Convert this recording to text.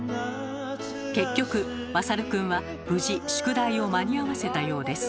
結局大くんは無事宿題を間に合わせたようです。